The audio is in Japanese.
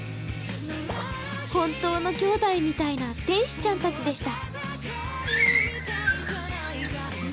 本当のきょうだいみたいな天使ちゃんたちでした。